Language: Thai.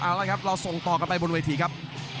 เอาละครับเราส่งต่อกันไปบนเวทีครับ